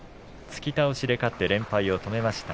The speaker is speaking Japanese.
突き倒しで勝って連敗を止めました。